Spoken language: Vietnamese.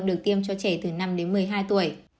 được tiêm cho trẻ từ năm đến một mươi hai tuổi